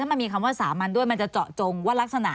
มันมีคำว่าสามัญด้วยมันจะเจาะจงว่ารักษณะ